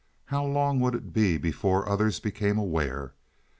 How long would it be before others became aware?